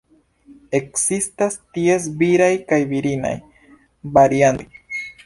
Ekzistas ties viraj kaj virinaj variantoj.